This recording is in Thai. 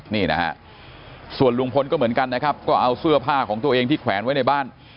นี่นะฮะส่วนลุงพลก็เหมือนกันนะครับก็เอาเสื้อผ้าของตัวเองที่แขวนไว้ในบ้าน